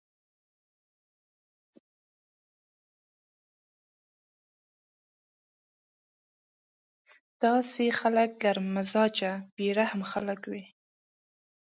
داسې خلک ګرم مزاجه بې رحمه خلک وي